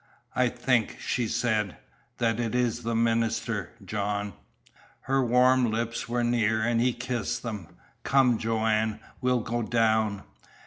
"I think," she said, "that it is the minister, John." Her warm lips were near, and he kissed them. "Come, Joanne. We will go down."